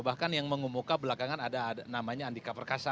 bahkan yang mengumumkan belakangan ada namanya andika perkasa